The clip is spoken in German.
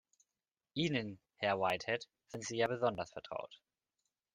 Ihnen, Herr Whitehead, sind sie ja besonders vertraut.